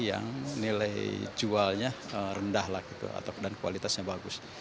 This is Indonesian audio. yang nilai jualnya rendah dan kualitasnya bagus